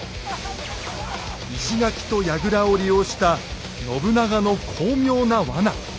石垣と櫓を利用した信長の巧妙な罠。